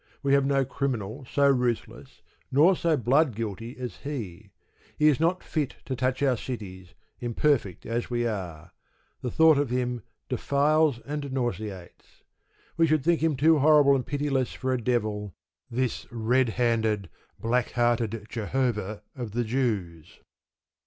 We have no criminal so ruthless nor so blood guilty as he. He is not fit to touch our cities, imperfect as we are. The thought of him defiles and nauseates. We should think him too horrible and pitiless for a devil, this red handed, black hearted Jehovah of the Jews.